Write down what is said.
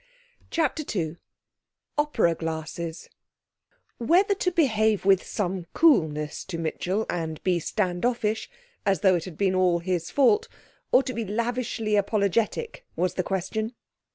CHAPTER II Opera Glasses Whether to behave with some coolness to Mitchell, and be stand offish, as though it had been all his fault, or to be lavishly apologetic, was the question.